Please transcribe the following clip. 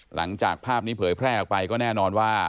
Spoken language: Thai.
หลังจากภาพนี้เผยแพร่ออกไปก็แน่นอนว่า